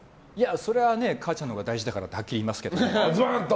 それは母ちゃんのほうが大事だからってはっきり言いますけど。